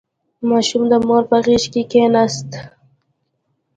• ماشوم د مور په غېږ کښېناست.